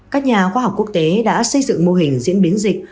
các nhà khoa học quốc tế đã xây dựng mô hình diễn biến dịch